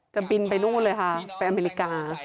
จะบินไปนู่นเลยค่ะไปอเมริกา